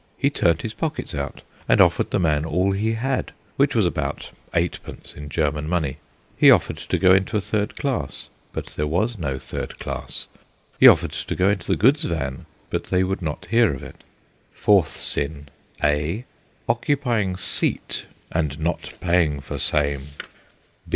He turned his pockets out, and offered the man all he had, which was about eightpence in German money. He offered to go into a third class, but there was no third class. He offered to go into the goods van, but they would not hear of it.) Fourth sin: (a) Occupying seat, and not paying for same.